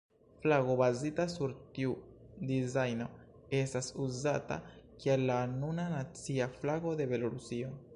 Flago bazita sur tiu dizajno estas uzata kiel la nuna nacia flago de Belorusio.